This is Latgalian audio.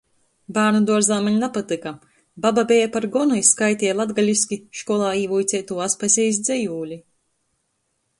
Bārnuduorzā maņ napatyka, baba beja par gonu i skaiteja latgaliski školā īvuiceitū Aspazejis dzejūli.